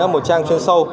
một trang chuyên sâu